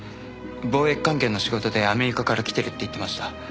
貿易関係の仕事でアメリカから来てるって言ってました。